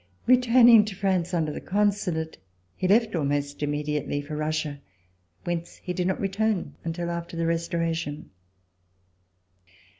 Returning to France under the Consulate, he left almost immediately for Russia whence he did not return until after the Restoration.